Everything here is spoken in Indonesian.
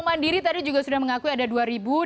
kemudian bank mandiri tadi juga sudah mengakui ada dua ribuan